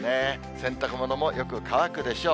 洗濯物もよく乾くでしょう。